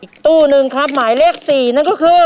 อีกตู้นึงครับหมายเลข๔นั่นก็คือ